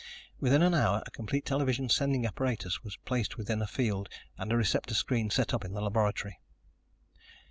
Within an hour a complete television sending apparatus was placed within the field and a receptor screen set up in the laboratory.